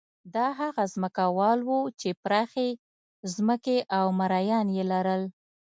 دا هغه ځمکوال وو چې پراخې ځمکې او مریان یې لرل.